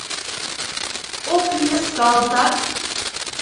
Ок лийыс, калтак!..